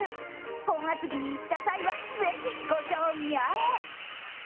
本厚木に行った際はぜひご賞味あれ。